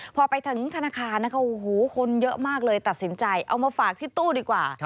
พอไปถึงธนาคารนะคะโอ้โหคนเยอะมากเลยตัดสินใจเอามาฝากที่ตู้ดีกว่า